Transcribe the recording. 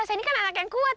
saya ini kan anak yang kuat